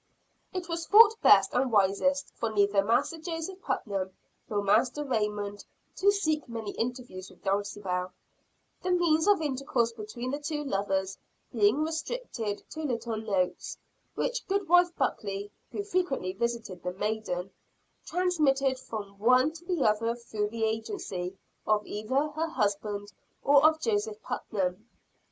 It was thought best and wisest for neither Master Joseph Putnam nor Master Raymond to seek many interviews with Dulcibel; the means of intercourse between the two lovers being restricted to little notes, which goodwife Buckley, who frequently visited the maiden, transmitted from one to the other through the agency of either her husband or of Joseph Putnam.